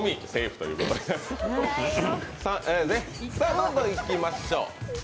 どんどんいきましょう。